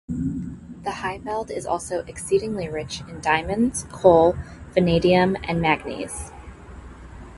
The Highveld is also exceedingly rich in diamonds, coal, vanadium, and manganese.